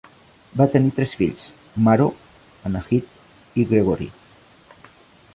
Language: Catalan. Van tenir tres fills: Maro, Anahid i Gregory.